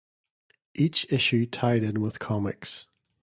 Each issue tied in with comics.